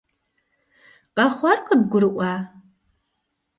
Къэхъуар къыбгурыӀуа?